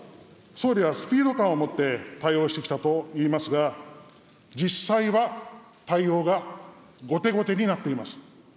総理はスピード感を持って対応してきたと言いますが、実際は対応が後手後手になっています。